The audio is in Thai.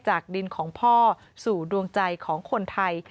จากดินของพ่อสู่ดวงใจของคนไทย